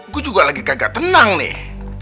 gue juga lagi kagak tenang nih